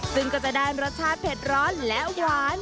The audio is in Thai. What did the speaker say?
ซึ่งก็จะได้รสชาติเผ็ดร้อนและหวาน